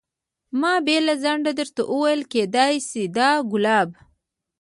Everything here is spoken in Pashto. ما بې له ځنډه درته وویل کېدای شي دا ګلاب.